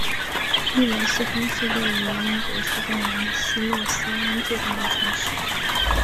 利文斯通是位于英国苏格兰西洛锡安的最大城市。